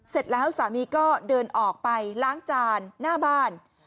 เสร็จแล้วสามีก็เดินออกไปล้างจานหน้าบ้าน